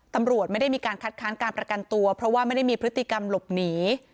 ตำรวจไม่ได้มีการคัดค้านการประกันตัวเพราะว่าไม่ได้มีพฤติกรรมหลบหนี